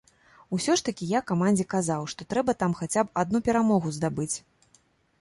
Усё ж такі я камандзе казаў, што трэба там хаця б адну перамогу здабыць.